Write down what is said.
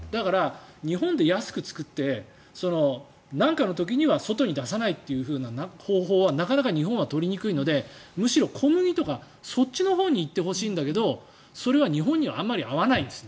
日本で安く作ってなんかの時には外に出さないという方法は日本は取りにくいのでむしろ小麦とかそっちのほうに行ってほしいんだけどそれは日本にはあまり合わないんです。